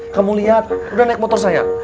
kamu lihat udah naik motor saya